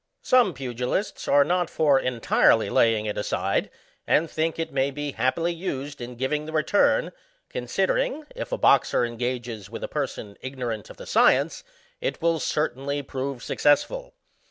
Some pugilists are not for entirely laying it aside, and think it may be happily used in giving the return, considering, if a boxer engages with a person ignorant of the science^ it will certainly prove successful.